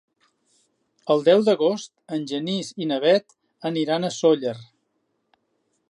El deu d'agost en Genís i na Bet aniran a Sóller.